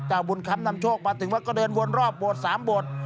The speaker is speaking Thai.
บุญคำนำโชคมาถึงวัดก็เดินวนรอบโบสถ์๓โบสถ์